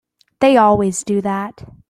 They always do that.